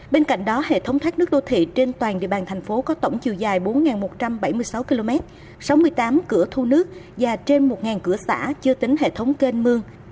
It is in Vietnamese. bên cạnh đó hệ thống thoát nước đô thị trên toàn địa bàn thành phố có tổng chiều dài bốn một trăm bảy mươi sáu km sáu mươi tám cửa thu nước và trên một cửa xã chưa tính hệ thống kênh mương